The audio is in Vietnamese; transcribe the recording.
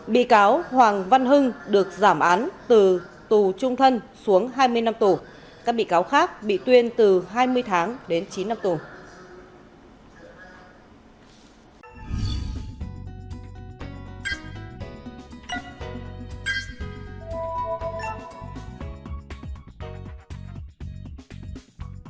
bảy bị cáo hoàng văn hưng được giảm án từ tù trung thân xuống hai mươi năm tù các bị cáo xin giảm án từ tù trung thân xuống hai mươi năm tù các bị cáo xin giảm án từ tù trung thân xuống hai mươi năm tù